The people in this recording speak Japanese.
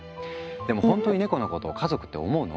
でもほんとにネコのことを家族って思うの？